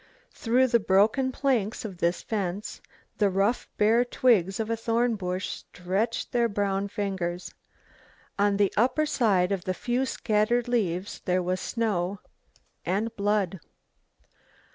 Through the broken planks of this fence the rough bare twigs of a thorn bush stretched their brown fingers. On the upper side of the few scattered leaves there was snow, and blood.